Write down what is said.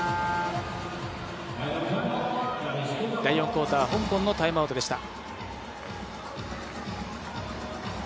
第４クオーター、香港のタイムアウトでした。